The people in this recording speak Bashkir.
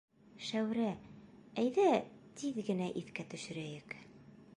Шәүрә, әйҙә, тиҙ генә иҫкә төшөрәйек...